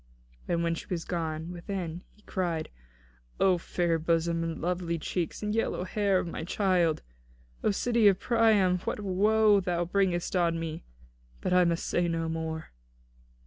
And when she was gone within, he cried: "O fair bosom and very lovely cheeks and yellow hair of my child! O city of Priam, what woe thou bringest on me! But I must say no more."